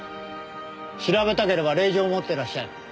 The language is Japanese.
調べたければ令状を持ってらっしゃい。